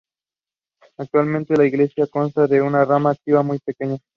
Actualmente, la iglesia consta de una rama activa muy pequeña.